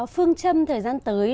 phương châm thời gian tới